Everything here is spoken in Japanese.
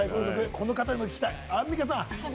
この方にも聞きたい、アンミカさん。